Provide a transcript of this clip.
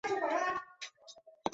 该物种的模式产地在汤加。